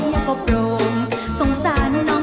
ฮักเท่าเชื่อเลี้ยงอำเธอจิ๊ยใจิน